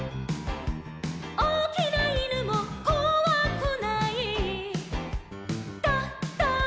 「おおきないぬもこわくない」「ドド」